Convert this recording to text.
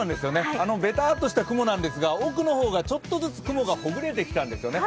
ベターッとした雲ですが、奥の方が、ちょっとずつ雲がほぐれてきたんですよね。